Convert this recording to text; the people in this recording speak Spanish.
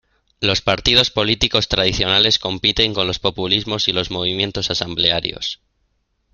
Los partidos políticos tradicionales compiten con los populismos y los movimientos asamblearios.